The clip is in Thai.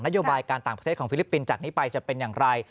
โยบายการต่างประเทศของฟิลิปปินส์จากนี้ไปจะเป็นอย่างไร